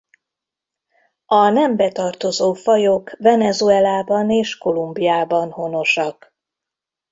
A nembe tartozó fajok Venezuelában és Kolumbiában honosak.